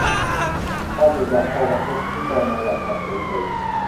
ตอนเด็กอยากโตมาใช้ชีวิต โตมาอยากนอนเฉยเฉย